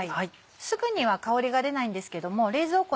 すぐには香りが出ないんですけども。